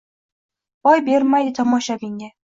boy bermaydi tomoshabinga